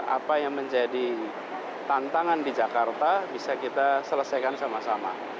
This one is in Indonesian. apa yang menjadi tantangan di jakarta bisa kita selesaikan sama sama